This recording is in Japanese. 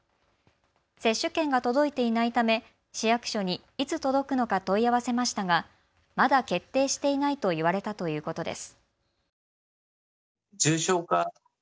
接種券が届いていないため市役所にいつ届くのか問い合わせましたがまだ決定していないと言われたということです。